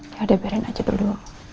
yaudah biarin aja dulu